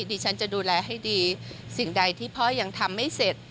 ดิฉันจะดูแลให้ดีสิ่งใดที่พ่อยังทำไม่เสร็จ